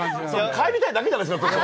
帰りたいだけじゃないですか。